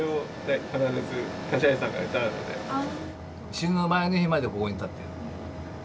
死ぬ前の日までここに立ってる。